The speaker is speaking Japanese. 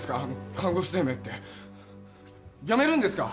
看護婦生命って辞めるんですか？